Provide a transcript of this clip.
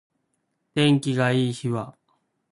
天気が良い日は公園に行って日向ぼっこしたいね。